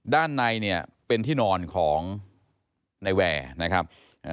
ด้านในเนี่ยเป็นที่นอนของนายแวร์นะครับ